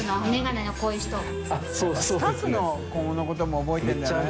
スタッフの子のことも覚えてるんだね